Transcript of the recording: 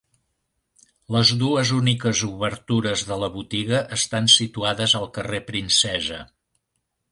Les dues úniques obertures de la botiga estan situades al carrer Princesa.